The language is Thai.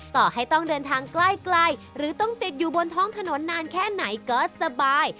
ต่อให้ต้องเดินทางใกล้หรือต้องติดอยู่บนท้องถนนนานแค่ไหนก็สบาย